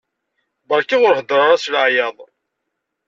Barka ur hedder ara s laɛyaḍ.